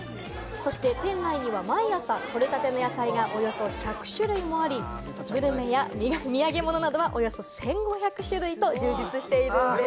そして店内には毎朝採れたての野菜がおよそ１００種類もあり、グルメや土産物などは、およそ１５００種類と充実しているんです。